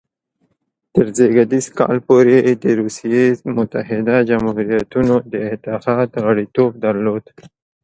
تر زېږدیز کال پورې یې د روسیې متحده جمهوریتونو د اتحاد غړیتوب درلود.